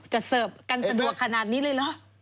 เสิร์ฟกันสะดวกขนาดนี้เลยเหรอ